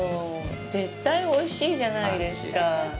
絶対おいしいじゃないですか。